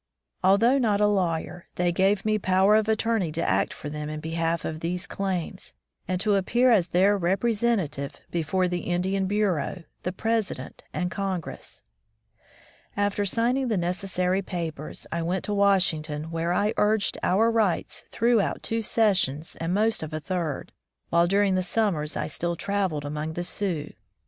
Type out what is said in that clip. Although not a lawyer, they gave me power of attorney to act for them in behalf of these claims, and to appear as their representative before the Indian Bureau, the President, and Congress. After signing the necessary papers, I went to Washington, where I urged our rights throughout two sessions and most of a third, while during the summers I still traveled among the Sioux.